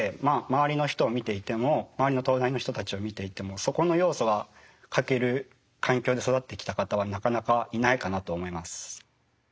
周りの人を見ていても周りの東大の人たちを見ていてもそこの要素が欠ける環境で育ってきた方はなかなかいないかなと思います。